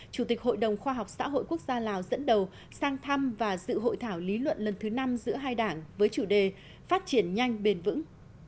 chủ tịch hội đồng khoa học xã hội quốc gia lào dẫn đầu sang thăm và dự hội thảo lý luận lần thứ năm giữa hai đảng với chủ đề phát triển nhanh bền vững